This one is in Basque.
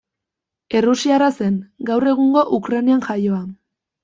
Errusiarra zen, gaur egungo Ukrainan jaioa.